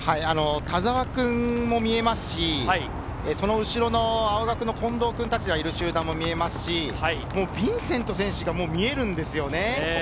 田澤君も見えますし、その後ろの青学の近藤君達がいる集団も見えますし、ヴィンセント選手が見えるんですよね。